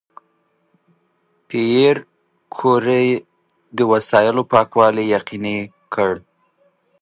پېیر کوري د وسایلو پاکوالي یقیني کړ.